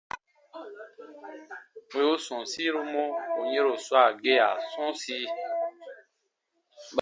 Wì u sɔ̃ɔsiru mɔ̀ ù yɛ̃ro swaa gea sɔ̃ɔsi.